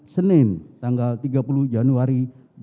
senin tanggal tiga puluh januari dua ribu dua puluh